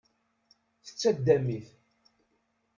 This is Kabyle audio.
Tettaddam-it.